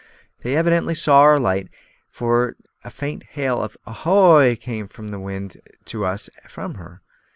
They evidently saw our light, for a faint hail of " ahoy!" came down the wind to us from her.